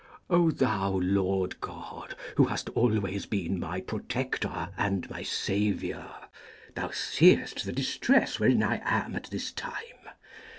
O thou Lord God, who hast always been my protector and my saviour! thou seest the distress wherein I am at this time.